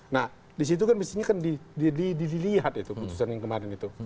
nah di situ kan mestinya dilihat putusan yang kemarin itu